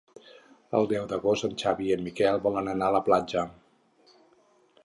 El deu d'agost en Xavi i en Miquel volen anar a la platja.